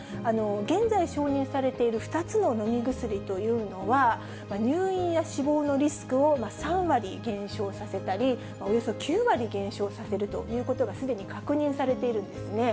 現在承認されている２つの飲み薬というのは、入院や死亡のリスクを３割減少させたり、およそ９割減少させるということがすでに確認されているんですね。